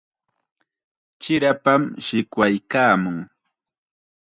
Chirapam shikwaykaamun.